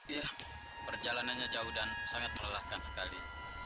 ya perjalanannya jauh dan sangat melelahkan sekali